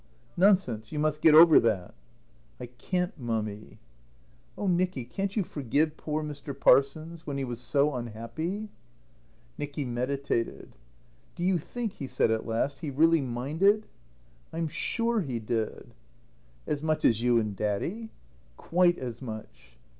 "Nonsense, you must get over that." "I can't, Mummy." "Oh, Nicky, can't you forgive poor Mr. Parsons? When he was so unhappy?" Nicky meditated. "Do you think," he said at last, "he really minded?" "I'm sure he did." "As much as you and Daddy?" "Quite as much."